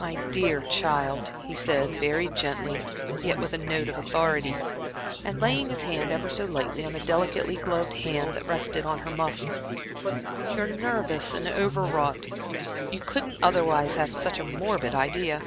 "My dear child," he said, very gently, yet with a note of authority, and laying his hand ever so lightly on the delicately gloved hand that rested on her muff "you're nervous and over wrought. You couldn't otherwise have such a morbid idea.